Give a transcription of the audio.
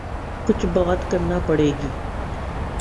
کچھ بات کرنا پڑے گی۔